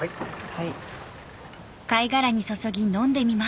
はい。